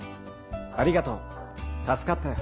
ありがとう助かったよ。